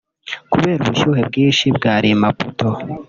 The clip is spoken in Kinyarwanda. Kubera ubushyuhe bwinshi bwari i Maputo